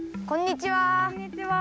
こんにちは。